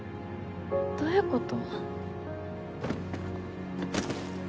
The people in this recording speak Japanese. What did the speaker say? どういうこと？